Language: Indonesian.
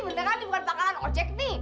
beneran ini bukan pakaran ojek ini